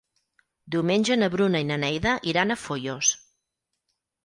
Diumenge na Bruna i na Neida iran a Foios.